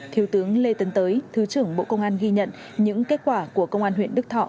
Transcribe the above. thiếu tướng lê tấn tới thứ trưởng bộ công an ghi nhận những kết quả của công an huyện đức thọ